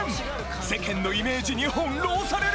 世間のイメージに翻弄される！？